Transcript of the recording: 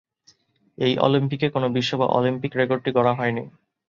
এই অলিম্পিকে কোনো বিশ্ব বা অলিম্পিক রেকর্ডটি গড়া হয়নি।